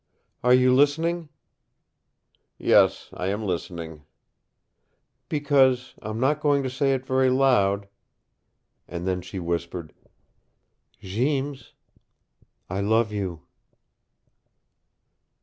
"Are you listening?" "Yes, I am listening." "Because I'm not going to say it very loud." And then she whispered, "Jeems I LOVE YOU!"